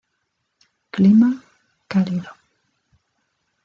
Clima: Cálido.